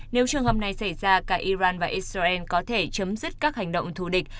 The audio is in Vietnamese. nếu trường hợp này xảy ra cả iran và israel có thể chấm dứt các hành động thù địch